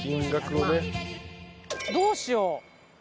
どうしよう。